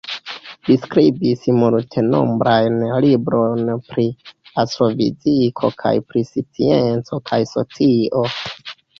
Li skribis multenombrajn librojn pri astrofiziko kaj pri scienco kaj socio.